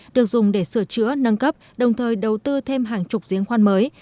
được dùng để sửa chữa nâng cấp đồng thời đầu tư thêm hàng chục giếng khoan mới